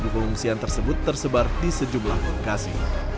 dua pengungsian tersebut tersebar di sejumlah lokasi